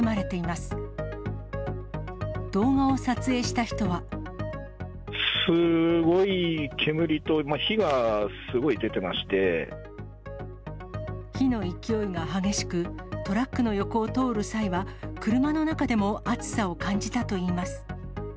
すごい煙と、火がすごい出て火の勢いが激しく、トラックの横を通る際は、車の中でも熱さを感じたといいます。